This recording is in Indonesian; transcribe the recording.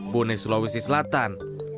bone sulawesi selatan